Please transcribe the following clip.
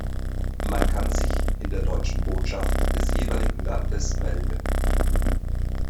Man kann sich in der deutschen Botschaft des jeweiligen Landes melden.